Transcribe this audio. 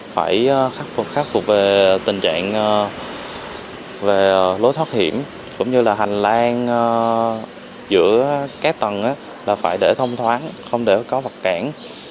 phải khắc phục về tình trạng lối thoát hiểm cũng như là hành lan giữa các tầng là phải để thông thoáng không để có vật cản